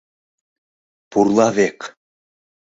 Пурла век